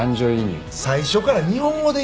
最初から日本語で言えよ！